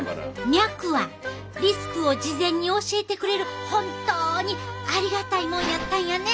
脈はリスクを事前に教えてくれる本当にありがたいもんやったんやね！